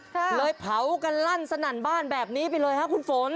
เลยเผากันลั่นสนั่นบ้านแบบนี้ไปเลยครับคุณฝน